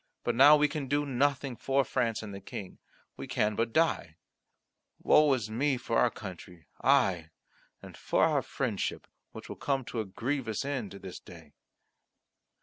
But now we can do nothing for France and the King. We can but die. Woe is me for our country, aye, and for our friendship, which will come to a grievous end this day."